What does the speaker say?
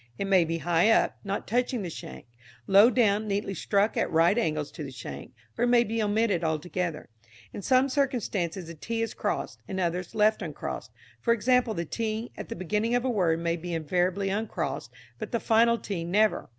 It may be high up, not touching the shank; low down, neatly struck at right angles to the shank, or it may be omitted altogether. In some circumstances a t is crossed, in others left uncrossed; for example, the t at the beginning of a word may be invariably uncrossed, but the final t never.